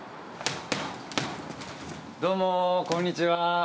どうもこんにちは。